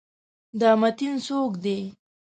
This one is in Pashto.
دا متین څوک دی؟